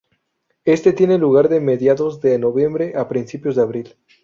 Este tiene lugar de mediados de noviembre a principios de abril.